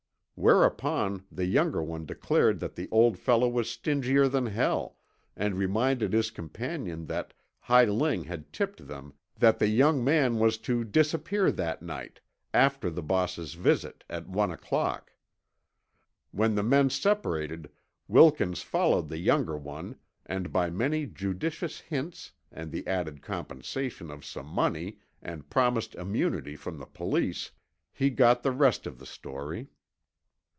Whereupon the younger one declared that the old fellow was stingier than hell and reminded his companion that Hi Ling had tipped them that the young man was to disappear that night, after the boss's visit at one o'clock. When the men separated Wilkins followed the younger one and by many judicious hints and the added compensation of some money and promised immunity from the police, he got the rest of the story.